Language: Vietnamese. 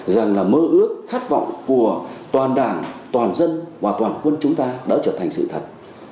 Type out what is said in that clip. rằng là mơ ước khát vọng của toàn đảng toàn dân và toàn quân chúng ta đã trở thành sự thật